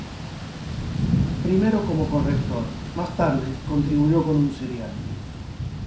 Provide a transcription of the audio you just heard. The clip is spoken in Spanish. Primero como corrector, más tarde contribuyó con un serial.